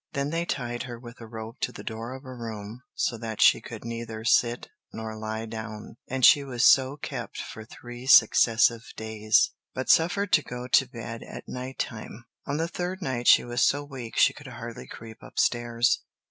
Then they tied her with a rope to the door of a room so that she could neither sit nor lie down, and she was so kept for three successive days, but suffered to go to bed at night time. On the third night she was so weak she could hardly creep upstairs.